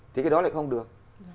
thì cái đó lại không được